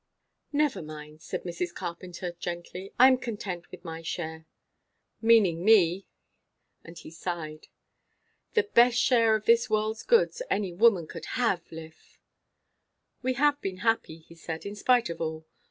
"Never mind," said Mrs. Carpenter gently. "I am content with my share." "Meaning me!" And he sighed. "The best share of this world's goods any woman could have, Liph." "We have been happy," he said, "in spite of all.